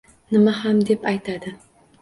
Nima ham deb aytadi?